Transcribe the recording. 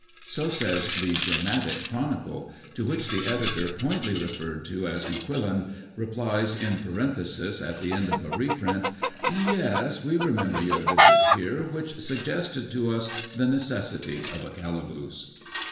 So says the Dramatic Chronicle; to which the editor pointedly re ferred to as " M'Quillan," replies in parenthesis at the end of a reprint: [" Yes, we remember your visit here, which suggested to us the neces sity of a calaboose."